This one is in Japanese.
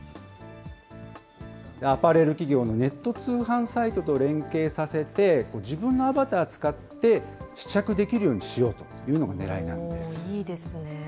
アパレル企業のネット通販サイトと連携させて、自分のアバターを使って、試着できるようにしようというのがねらいなんです。